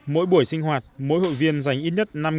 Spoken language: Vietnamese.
mỗi buổi sinh hoạt mỗi hội viên dành ít nhất năm đồng